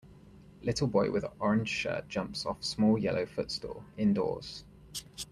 Little boy with orange shirt jumps off of small yellow foot stool, indoors.